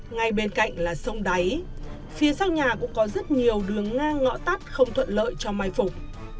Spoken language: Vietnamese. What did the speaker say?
ngay bên cạnh là sông đáy phía sau nhà cũng có rất nhiều đường ngang ngõ tắt không thuận lợi cho mai phục